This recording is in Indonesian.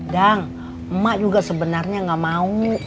dang ma juga sebenarnya gak mau